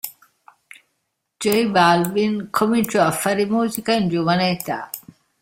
J Balvin cominciò a fare musica in giovane età.